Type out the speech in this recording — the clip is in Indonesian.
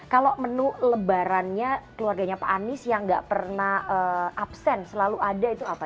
kalau menu lebarannya keluarganya pak anies yang gak pernah absen selalu ada itu apa